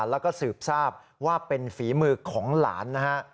แล้วก็สืบทราบว่าเป็นฝีมือของหลานนะฮะ